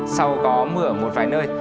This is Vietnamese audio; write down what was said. sau có mưa ở một vài nơi